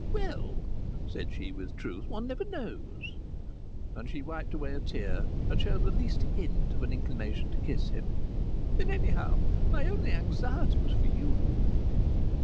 "Well," said she, with truth, "one never knows." And she wiped away a tear and showed the least hint of an inclination to kiss him. "And anyhow my only anxiety was for you."